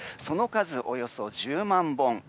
その数、およそ１０万本。